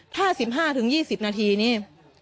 ถ้า๑๕๒๐นาทีนี่